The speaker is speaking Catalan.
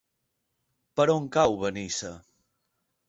Per on cau Benissa?